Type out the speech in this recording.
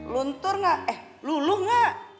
luntur gak eh luluh gak